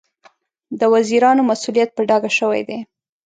د وزیرانو مسوولیت په ډاګه شوی دی.